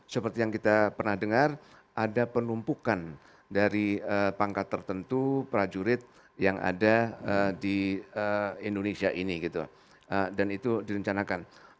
seperti yang kita pernah dengar ada penumpukan dari pangkat tertentu prajurit yang ada di indonesia ini gitu dan itu direncanakan